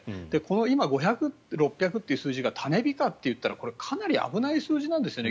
今、５００、６００という数字が種火かといったらかなり危ない数字なんですよね。